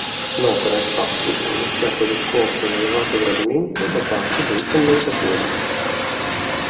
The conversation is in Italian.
L'opera, infatti, ha iniziato a riscuotere un elevato gradimento da parte dei commentatori.